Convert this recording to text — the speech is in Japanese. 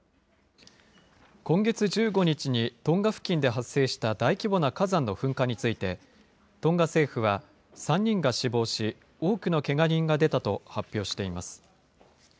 今月１５日に、トンガ付近で発生した大規模な火山の噴火について、トンガ政府は、３人が死亡し、多くのけが人が出たと発表しています。